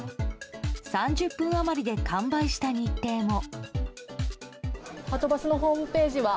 ３０分余りで完売した日程も。